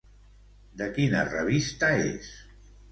De quina revista és?